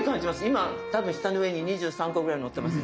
今多分舌の上に２３個ぐらいのってます。